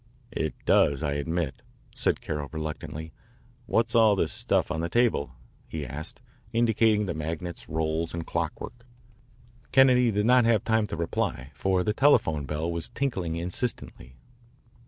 "It does, I admit," said Carroll reluctantly. "What's all this stuff on the table?" he asked, indicating the magnets, rolls, and clockwork. Kennedy did not have time to reply, for the telephone bell was tinkling insistently.